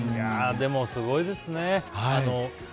でも、すごいですね。